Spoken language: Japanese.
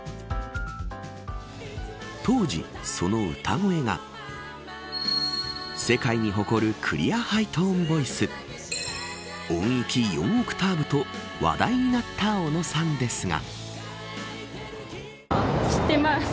当時、その歌声が世界に誇るクリアハイトーンボイス音域４オクターブと話題になった小野さんですが。